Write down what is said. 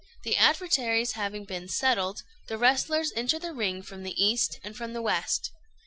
The adversaries having been settled, the wrestlers enter the ring from the east and from the west.